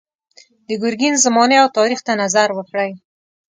د ګرګین زمانې او تاریخ ته نظر وکړئ.